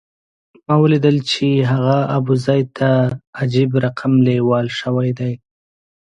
ما ولیدل چې هغه ابوزید ته عجب رقم لېوال شوی دی.